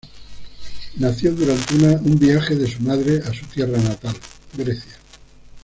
Nació durante un viaje de su madre a su tierra natal, Grecia.